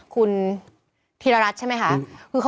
คุณธีรรัฐใช่ไหมคะ